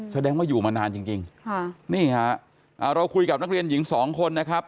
แสดงว่าอยู่มานานจริงจริงค่ะนี่ฮะอ่าเราคุยกับนักเรียนหญิงสองคนนะครับ